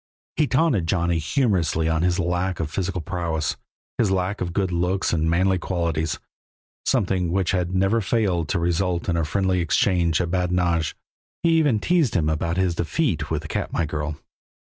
He taunted Johnny humorously on his lack of physical prowess, his lack of good looks and manly qualities something which had never failed to result in a friendly exchange of badinage; he even teased him about his defeat with the Katmai girl.